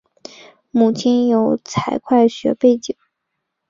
母亲有财会学背景。